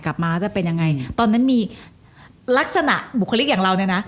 มาจะเป็นยังไงตอนนั้นมีลักษณะบุคลิกอย่างเราเนี่ยนะ